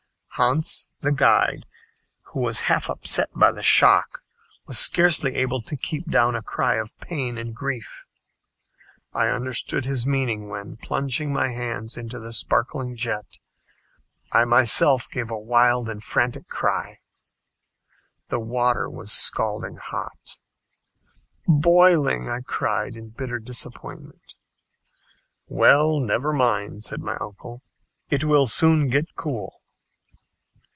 Hans, the guide, who was half upset by the shock, was scarcely able to keep down a cry of pain and grief. I understood his meaning when, plunging my hands into the sparkling jet, I myself gave a wild and frantic cry. The water was scalding hot! "Boiling," I cried, in bitter disappointment. "Well, never mind," said my uncle, "it will soon get cool."